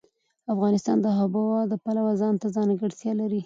افغانستان د آب وهوا د پلوه ځانته ځانګړتیا لري.